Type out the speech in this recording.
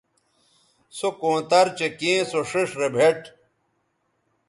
سو کونتر چہء کیں سو ݜئیݜ رے بھیٹ